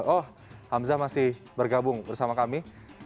oh hamzah masih bergabung bersama kami